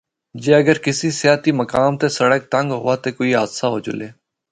جے اگر کسی سیاحتی مقام تے سڑک تنگ ہووا تے کوئی حادثہ ہو جُلے۔